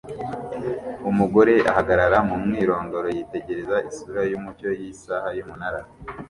Umugore ahagarara mumwirondoro yitegereza isura yumucyo yisaha yumunara